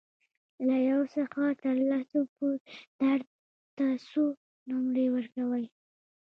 له یو څخه تر لسو پورې درد ته څو نمرې ورکوئ؟